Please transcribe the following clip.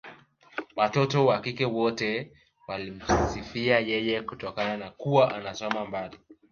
Watoto wa kike wote walimsifia yeye kutokana na kuwa anasoma mbali